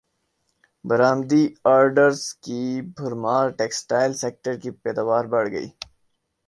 برامدی orders کی بھرمار textile سیکٹرکی پیداوار بڑھ گئی